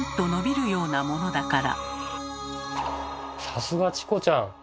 さすがチコちゃん！